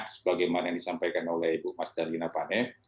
sebagaimana yang disampaikan oleh ibu mas darlina pane